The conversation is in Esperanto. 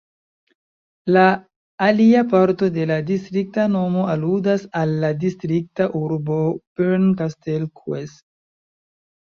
La alia parto de la distrikta nomo aludas al la distrikta urbo Bernkastel-Kues.